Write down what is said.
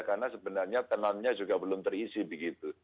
karena sebenarnya penannya juga belum terisi begitu